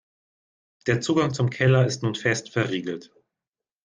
Der Zugang zum Keller ist nun fest verriegelt.